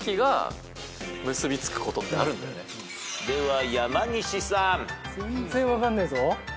では山西さん。全然分かんないぞ。